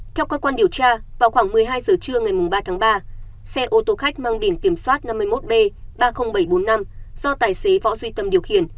theo cơ quan điều tra vào khoảng một mươi hai giờ trưa ngày ba tháng ba xe ô tô khách mang biển kiểm soát năm mươi một b ba mươi nghìn bảy trăm bốn mươi năm do tài xế võ duy tâm điều khiển